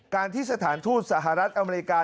การที่สถานทูตสหรัฐอเมริกา